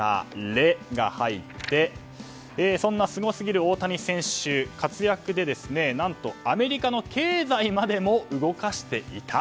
「レ」が入ってそんなすごすぎる大谷選手活躍で何とアメリカの経済までも動かしていた。